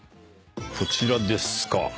こちらですか。